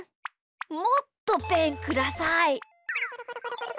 もっとペンください。